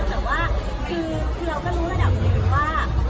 แต่ว่าคือเราก็รู้ระดับตัวเองว่า